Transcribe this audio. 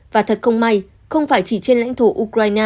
và thật không may không phải chỉ trên lãnh thổ ukraine